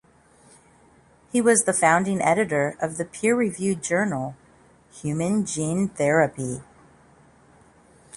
He was the founding editor of the peer-reviewed journal "Human Gene Therapy".